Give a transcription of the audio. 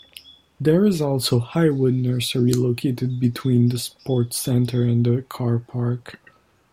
There is also Highwood Nursery located between the sports centre and the car park.